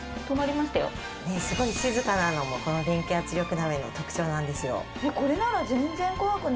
すごい静かなのもこの電気圧力鍋の特徴なんですよ。